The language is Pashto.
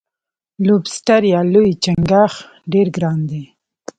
لوبسټر یا لوی چنګاښ ډیر ګران دی.